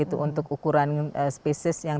untuk ukuran spesies yang